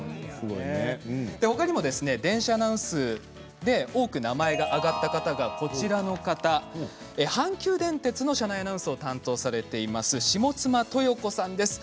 他にも電車のアナウンスで多く名前が挙がった方が阪急電鉄の車内アナウンスを担当されている下間都代子さんです。